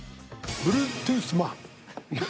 ブルートゥースマン？